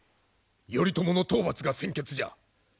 頼朝の討伐が先決じゃ。